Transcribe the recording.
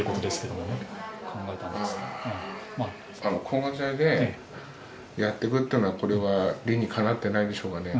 抗がん剤でやっていくっていうのはこれは理にかなってないんでしょうかね。